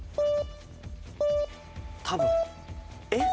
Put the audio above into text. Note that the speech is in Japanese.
多分えっ？